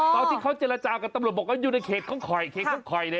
ตอนที่เขาเจรจากับตำรวจบอกว่าอยู่ในเขตของคอยเขตของคอยเนี่ย